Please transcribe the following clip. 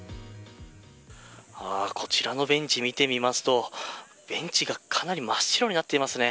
こちらのベンチ見てみますとベンチがかなり真っ白になっていますね。